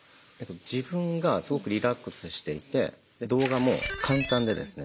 自分がすごくリラックスしていて動画も簡単でですね